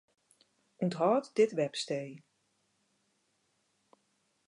Unthâld dit webstee.